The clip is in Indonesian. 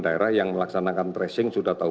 daerah yang melaksanakan tracing sudah tahu